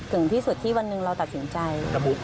ถึงที่สุดที่วันหนึ่งเราตัดสินใจ